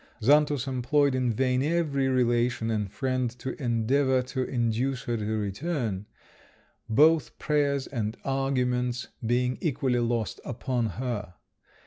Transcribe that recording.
Xantus employed in vain every relation and friend to endeavour to induce her to return, both prayers and arguments being equally lost upon her.